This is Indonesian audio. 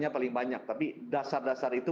paling banyak tapi dasar dasar itu